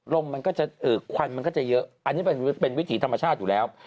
มันก็จะควันมันก็จะเยอะอันนี้เป็นวิถีธรรมชาติอยู่แล้ว